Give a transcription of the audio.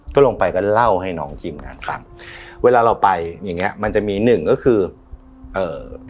ก็ลงไปก็เล่าให้น้องทีมงานฟังเวลาเราไปอย่างเงี้ยมันจะมีหนึ่งก็คือเอ่อ